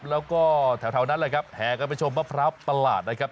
แล้วก็แถวนั้นแหละครับแห่กันไปชมมะพร้าวประหลาดนะครับ